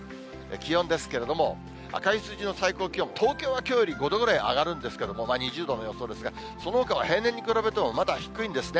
気温ですけれども、赤い数字の最高気温、東京はきょうより５度ぐらい上がるんですけれども、２０度の予想ですが、そのほかは平年に比べてもまだ低いんですね。